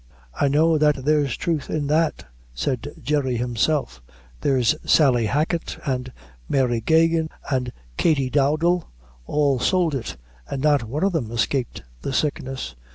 "I know that there's truth in that," said Jerry himself. "There's Sally Hacket, and Mary Geoghegan, and Katy Dowdall, all sould it, and not one of them escaped the sickness.